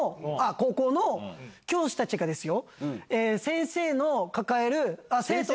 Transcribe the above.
高校の教師たちがですよ。